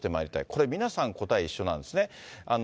これ、皆さん答え、一緒なんですね。